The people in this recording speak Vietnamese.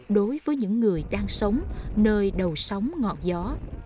đối với những người đang sống nơi đầu sóng ngọn gió